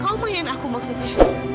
kamu mainin aku maksudnya